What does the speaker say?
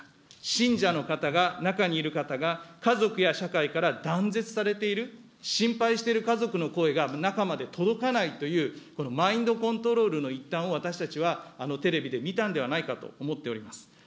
信者の方が、中にいる方が、家族や社会から断絶されている、心配している家族の声が中まで届かないという、このマインドコントロールの一端を、私たちはテレビで見たんではないかと思っております。